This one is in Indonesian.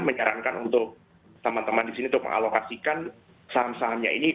menyarankan untuk teman teman di sini untuk mengalokasikan saham sahamnya ini